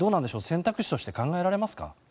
選択肢として考えられますか。